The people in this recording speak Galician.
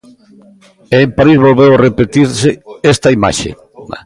E en París volveu repetirse esta imaxe.